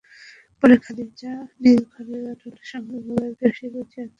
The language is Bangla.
পরে খাদিজা নিজ ঘরের আড়ার সঙ্গে গলায় রশি পেঁচিয়ে আত্মহত্যা করেন।